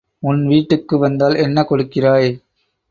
உன் வீட்டுக்கு வந்தால் என்ன கொடுக்கிறாய்?